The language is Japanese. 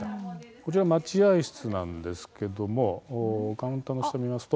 こちら待合室なんですけれどもカウンターの下を見ますと。